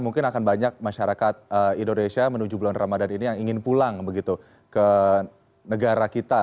mungkin akan banyak masyarakat indonesia menuju bulan ramadan ini yang ingin pulang begitu ke negara kita